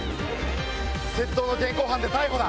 窃盗の現行犯で逮捕だ！